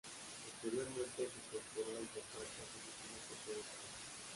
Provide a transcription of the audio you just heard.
Posteriormente se incorporó al reparto haciendo gira por toda España.